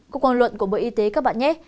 của quan luận của bộ y tế các bạn nhé